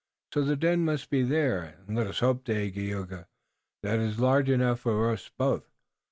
So the den must be there, and let us hope, Dagaeoga, that it is large enough for us both.